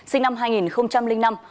sinh năm hai nghìn năm